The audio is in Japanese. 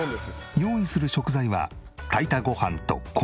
用意する食材は炊いたご飯と米こうじ。